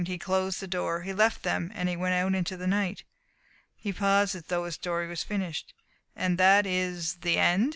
He closed the door. He left them. He went out into the night." He paused, as though his story was finished. "And that is the end?"